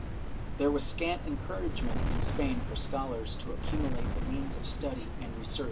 ^ There was scant encouragement in S})ain for scholars to accumu late the means of study and resoarch.